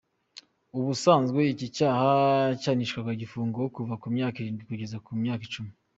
Ubusanzwe, iki cyaha cyahanishwaga igifungo kuva ku myaka irindwi kugeza ku myaka icumi.